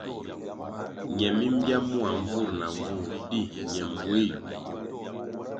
Ñe mi mbya mua nvur na nvur di ñe mbueh yu.